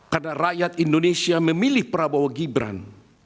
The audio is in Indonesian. karena rakyat indonesia memilih prabowo gibran